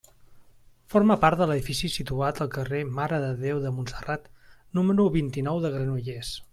Forma part de l'edifici situat al carrer Mare de Déu de Montserrat, número vint-i-nou, de Granollers.